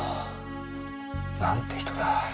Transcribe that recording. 何て人だ。